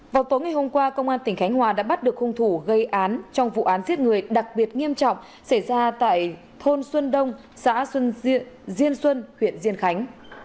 vào tối ngày hôm qua công an tỉnh khánh hòa đã bắt được hung thủ gây án trong vụ án giết người đặc biệt nghiêm trọng xảy ra tại thôn xuân đông xã xuân diện diên xuân huyện diên khánh